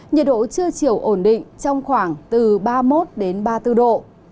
nhiệt độ trưa chiều ổn định trong khoảng từ ba mươi một ba mươi bốn độ